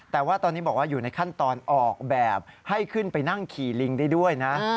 แต่ว่าตอนนี้บอกว่าอยู่ในขั้นตอนออกแบบให้ขึ้นไปนั่งขี่ลิงได้ด้วยนะ